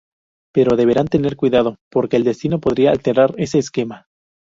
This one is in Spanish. Pero deberán tener cuidado, porque el destino podría alterar ese esquema.